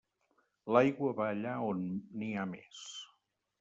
L'aigua va allà on n'hi ha més.